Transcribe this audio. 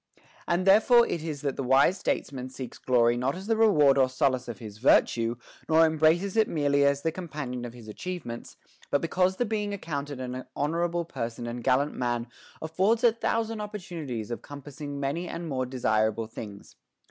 And there fore it is that the wise statesman seeks glory not as the reward or solace of his virtue, nor embraces it merely as the companion of his achievements, but because the being accounted an honorable person and gallant man affords a thousand opportunities of compassing many and more de sirable things.